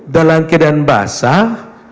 dalam keadaan basah